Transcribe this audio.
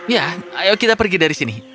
ya ayo kita pergi dari sini